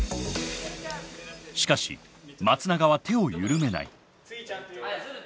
しかし松永は手を緩めない。